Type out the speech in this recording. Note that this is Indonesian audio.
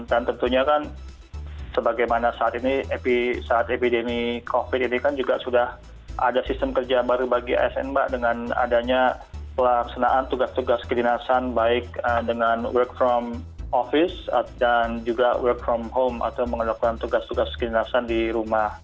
dan tentunya kan sebagaimana saat ini saat epidemi covid ini kan juga sudah ada sistem kerja baru bagi asn mbak dengan adanya pelaksanaan tugas tugas kedinasan baik dengan work from office dan juga work from home atau mengelakkan tugas tugas kedinasan di rumah